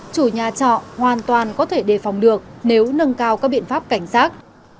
chủ nhà trọ hoàn toàn có thể đề phòng được nếu nâng cao các biện pháp cảnh sát